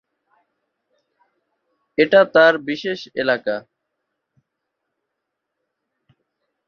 এটা তাঁর বিশেষ এলাকা।